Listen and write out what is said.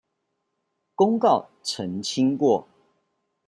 公告澄清過